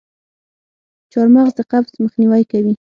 چارمغز د قبض مخنیوی کوي.